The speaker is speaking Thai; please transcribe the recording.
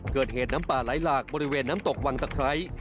เกิดเหตุน้ำป่าไหลหลากบริเวณน้ำตกวังตะไคร้